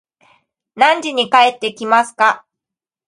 何時に帰ってきますか